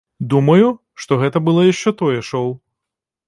Думаю, гэта было яшчэ тое шоў.